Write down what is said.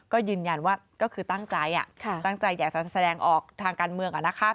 ก็ยืนยันว่าก็คือตั้งใจตั้งใจอยากจะแสดงออกทางการเมือง